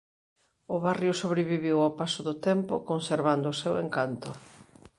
O barrio sobreviviu ao paso do tempo conservando o seu encanto.